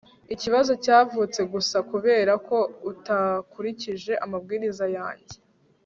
ikibazo cyavutse gusa kubera ko utakurikije amabwiriza yanjye